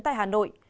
tại hà nội